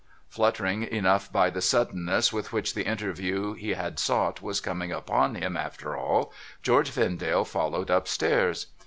Fluttered enough by the suddenness with which the interview he had sought was coming upon him after all, George Vendale followed up stairs.